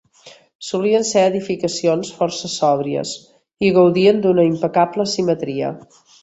Solien ser edificacions força sòbries i gaudien d'una impecable simetria.